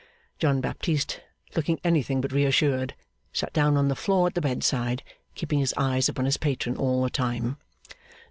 John Baptist, looking anything but reassured, sat down on the floor at the bedside, keeping his eyes upon his patron all the time.